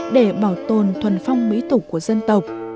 để bảo tồn thuần phong mỹ tục của dân tộc